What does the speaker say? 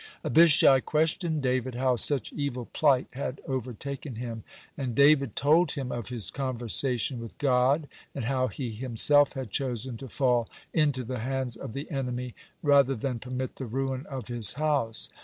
Abishai questioned David how such evil plight had overtaken him, and David told him of his conversation with God, and how he himself had chosen to fall into the hands of the enemy, rather than permit the ruin of his house.